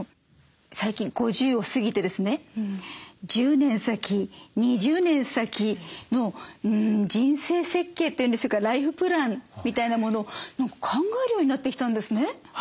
最近５０を過ぎてですね１０年先２０年先の人生設計というんでしょうかライフプランみたいなものを考えるようになってきたんですね。